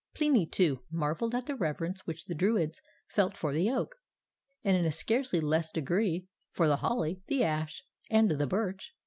Pliny, too, marvelled at the reverence which the Druids felt for the oak, and, in a scarcely less degree, for the holly, the ash, and the birch.